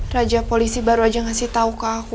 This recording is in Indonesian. raja polisi baru aja ngasih tahu ke aku